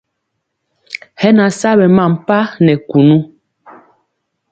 Hɛ na sa ɓɛ mampa nɛ kunu.